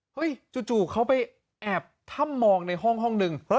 จู่เขาไปแอบถ้ำมองในห้องนึง